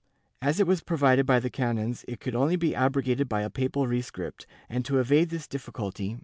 As it was provided by the canons it could only be abrogated by a papal rescript, and to evade this difficulty.